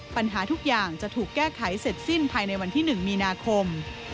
ปัญหาทุกอย่างจะถูกแก้ไขเสร็จสิ้นภายในวันที่๑มีนาคม